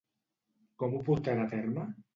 Com ho portarà a terme?